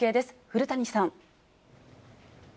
古谷さん。